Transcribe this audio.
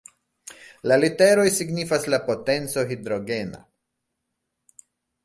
La literoj signifas la "potenco Hidrogena".